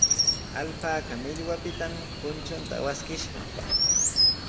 Alpaka millwapitami punchunta awachishqa.